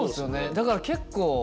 だから結構。